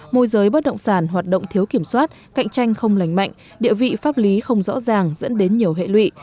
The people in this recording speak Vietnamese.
môi giới bất động sản hoạt động thiếu kiểm soát cạnh tranh không lành mạnh địa vị pháp lý không rõ ràng dẫn đến nhiều hệ lụy